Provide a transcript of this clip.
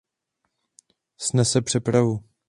Snese přepravu.